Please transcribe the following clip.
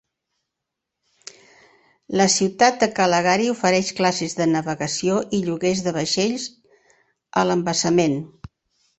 La ciutat de Calgary ofereix classes de navegació i lloguers de vaixells a l"embassament.